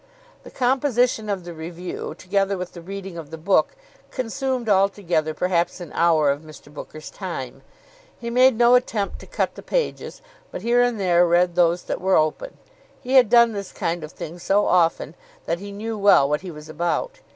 The composition of the review, together with the reading of the book, consumed altogether perhaps an hour of Mr. Booker's time. He made no attempt to cut the pages, but here and there read those that were open. He had done this kind of thing so often, that he knew well what he was about.